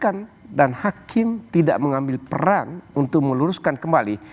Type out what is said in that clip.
bukan dan hakim tidak mengambil peran untuk meluruskan kembali